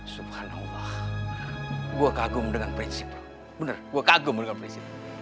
subhanallah gua kagum dengan prinsip lo benar gua kagum dengan prinsip